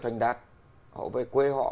thành đạt họ về quê họ